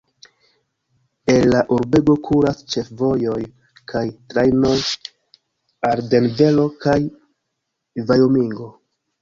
El la urbego kuras ĉefvojoj kaj trajnoj al Denvero kaj Vajomingo.